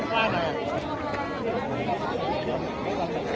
สวัสดีครับสวัสดีครับ